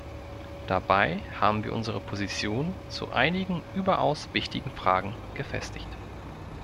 Dabei haben wir unsere Position zu einigen überaus wichtigen Fragen gefestigt.